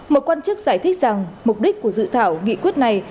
một quan chức giải thích rằng mục đích của dự thảo nghị quyết này